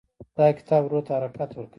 دا کتاب روح ته حرکت ورکوي.